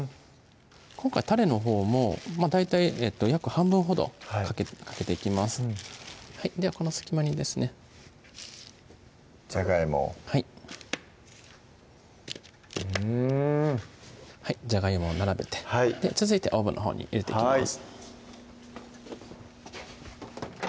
今回たれのほうも大体約半分ほどかけていきますではこの隙間にですねじゃがいもをはいうんじゃがいもを並べて続いてオーブンのほうに入れていきます